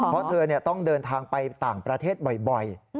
เพราะเธอต้องเดินทางไปต่างประเทศบ่อย